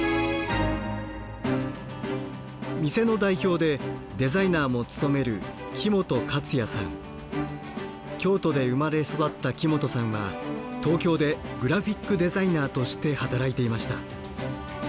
店の代表でデザイナーも務める京都で生まれ育った木本さんは東京でグラフィックデザイナーとして働いていました。